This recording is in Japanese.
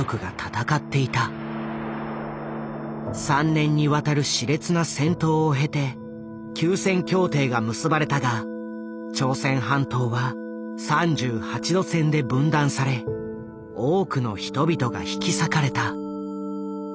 ３年にわたるしれつな戦闘を経て休戦協定が結ばれたが朝鮮半島は３８度線で分断され多くの人々が引き裂かれた。